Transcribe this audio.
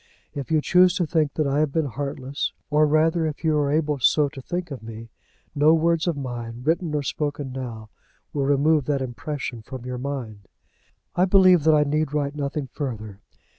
If you choose to think that I have been heartless, or rather, if you are able so to think of me, no words of mine, written or spoken now, will remove that impression from your mind. I believe that I need write nothing further.